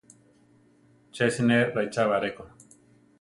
Ché siné raichába aréko.